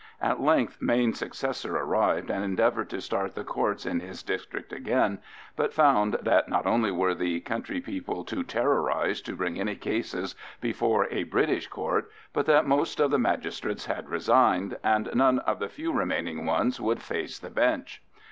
At length Mayne's successor arrived, and endeavoured to start the Courts in his district again, but found that not only were the country people too terrorised to bring any cases before a British Court, but that most of the magistrates had resigned, and none of the few remaining ones would face the bench.